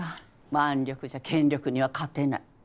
腕力じゃ権力には勝てない。